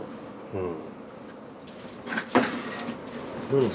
うん。